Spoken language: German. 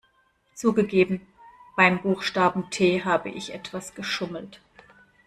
Zugegeben, beim Buchstaben T habe ich etwas geschummelt.